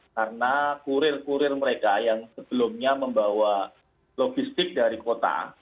karena kurir kurir mereka yang sebelumnya membawa logistik dari kota